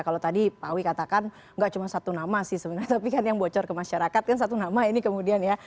kalau tadi pak awi katakan nggak cuma satu nama sih sebenarnya tapi kan yang bocor ke masyarakat kan satu nama ini kemudian ya